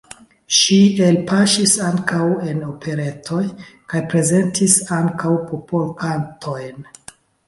Ŝi elpaŝis ankaŭ en operetoj kaj prezentis ankaŭ popolkantojn.